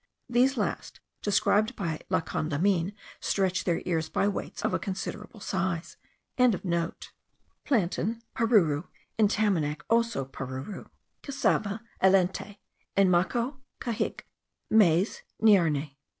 These last, described by La Condamine, stretch their ears by weights of a considerable size.) Plantain, Paruru (in Tamanac also, paruru). Cassava, Elente (in Maco, cahig). Maize, Niarne.